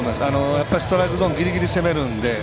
やっぱりストライクゾーンギリギリ攻めるんで。